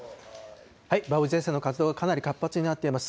梅雨前線の活動がかなり活発になっています。